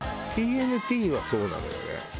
ＴＮＴはそうなのよね。